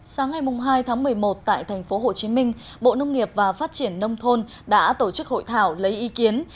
sáng ngày hai tháng một mươi một tại tp hcm bộ nông nghiệp và phát triển nông thôn đã tổ chức hội thảo lấy ý kiến